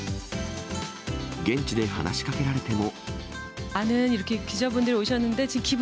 現地で話しかけられても。